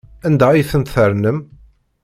Anda ay tent-ternam?